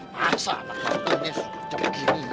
masa mbak gantungnya sujar begini mbak